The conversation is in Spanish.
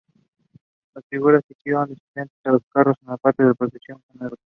Las figuras se hicieron desfilar en carros como parte de la procesión fúnebre.